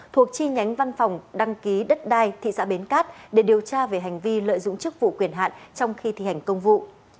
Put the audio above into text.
thuộc chi nhánh văn phòng đăng ký đất đai thị xã bến cát để điều tra về hành vi lợi dụng chức vụ quyền hạn trong khi thi hành công vụ